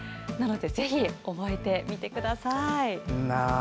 ぜひ覚えてみてください。